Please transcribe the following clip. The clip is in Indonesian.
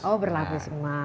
oh berlapis emas